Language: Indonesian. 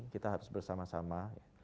kita harus bersama sama